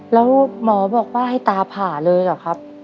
แล้วหมอบอกว่าให้ตาผ่าเลยเหรอครับ